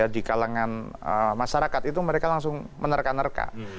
di kalangan masyarakat itu mereka langsung menerka nerka